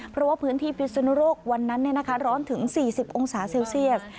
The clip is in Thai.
เพราะว่าพื้นที่พิศนุโรควันนั้นร้อนถึง๔๐องศาเซลเซียส